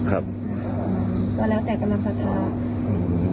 มาเปลี่ยนเป็นบาริสตาร์ต่อแล้วแต่กำลังศรัทธา